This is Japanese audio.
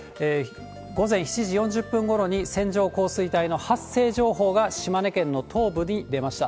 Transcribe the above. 午前７時４０分ごろに線状降水帯の発生情報が、島根県の東部に出ました。